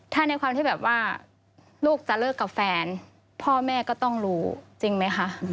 ถ้าในความที่แบบว่าลูกจะเลิกกับแฟนพ่อแม่ก็ต้องรู้จริงไหมคะ